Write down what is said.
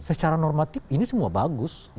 secara normatif ini semua bagus